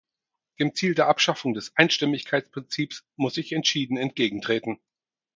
Dem Ziel der Abschaffung des Einstimmigkeitsprinzips muss ich entschieden entgegentreten.